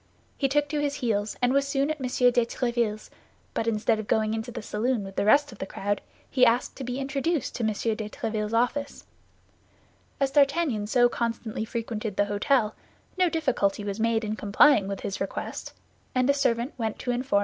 He took to his heels, and was soon at M. de Tréville's; but instead of going into the saloon with the rest of the crowd, he asked to be introduced to M. de Tréville's office. As D'Artagnan so constantly frequented the hôtel, no difficulty was made in complying with his request, and a servant went to inform M.